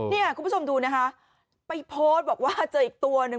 คุณผู้ชมดูนะคะไปโพสต์บอกว่าเจออีกตัวหนึ่ง